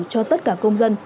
cho tất cả công dân